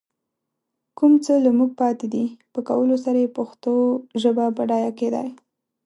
کوم څه له موږ پاتې دي، په کولو سره يې پښتو ژبه بډايه کېدای